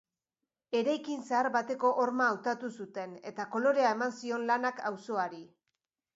Eraikin zahar bateko horma hautatu zuten eta kolorea eman zion lanak auzoari.